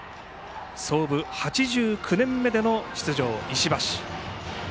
創部８９年目での出場、石橋。